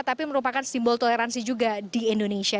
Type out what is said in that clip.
tapi merupakan simbol toleransi juga di indonesia